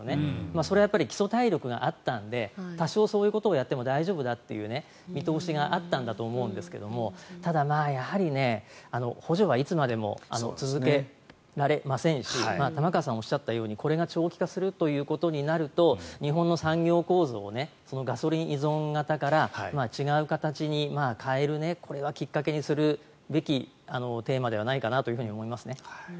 それは基礎体力があったので多少、そういうことをやっても大丈夫だという見通しがあったんだと思うんですがただ、補助金はいつまでも続けられませんし玉川さんがおっしゃったようにこれが長期化するとなると日本の産業構造をガソリン依存型から違う形に変えるこれはきっかけにするべきテーマではないかなと思います。